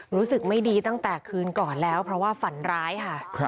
รู้สึกไม่ดีตั้งแต่คืนก่อนแล้วเพราะว่าฝันร้ายค่ะ